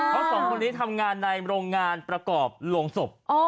เพราะสองคนนี้ทำงานในโรงงานประกอบโรงศพ